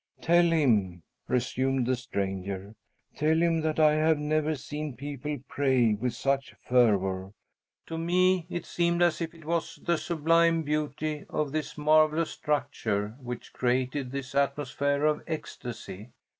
"Tell him," resumed the stranger, "tell him that I have never seen people pray with such fervor! To me it seemed as if it was the sublime beauty of this marvellous structure which created this atmosphere of ecstasy.